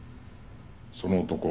その男